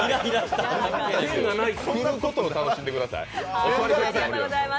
作ることを楽しんでください。